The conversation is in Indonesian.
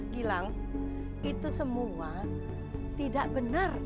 gilang itu semua tidak benar